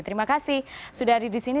terima kasih sudah ada di sini